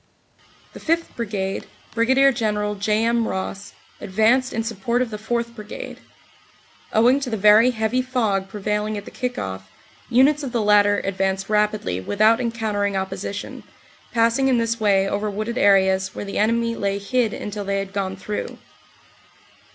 The 5th Brigade, Brig. General J. M. Ross, advanced in support of the 4th. Brigade. Owing to the very heavy fog prevailing at the kick off, units of the latter advanced rapidly without encountering opposition, passing in this way over wooded areas where the enemy lay hid until they had gone through.